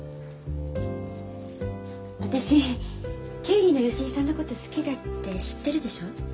私経理の吉井さんのこと好きだって知ってるでしょ？